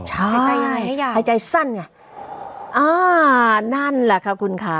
ใช่หายใจหายใจสั้นไงอ่านั่นแหละค่ะคุณค่ะ